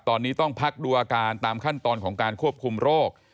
ตอนนี้ต้องพักดูอาการตามขั้นตอนของการควบคุมโรค